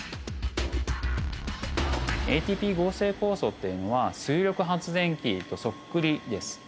ＡＴＰ合成酵素っていうのは水力発電機とそっくりです。